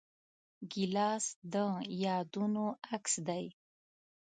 ګیلاس د یادونو عکس دی.